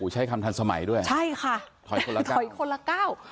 ใช้คำทันสมัยด้วยใช่ค่ะถอยคนละก้าว